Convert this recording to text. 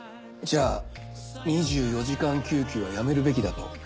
じゃあ２４時間救急はやめるべきだと？